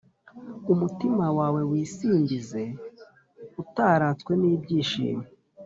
umutima wawe wisimbize, utaratswe n’ibyishimo,